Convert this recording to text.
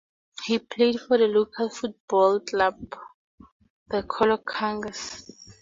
He played for the local football club the Colo Cougars.